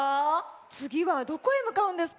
つぎはどこへむかうんですか？